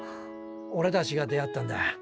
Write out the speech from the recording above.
オレたちが出会ったんだ。